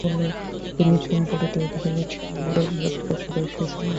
তিনি ভূসম্পত্তির অধিকারী সামারা গোত্রের সদস্য ছিলেন।